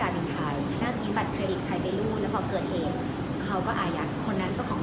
มีเพื่อนยิ่ง